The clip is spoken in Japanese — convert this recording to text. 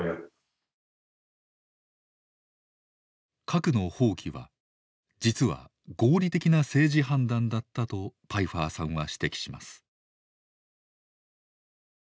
核の放棄は実は合理的な政治判断だったとパイファーさんは指摘します。